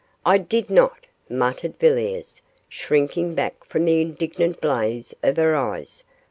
'I did not,' muttered Villiers, shrinking back from the indignant blaze of her eyes.